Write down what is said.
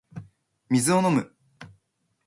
水を飲む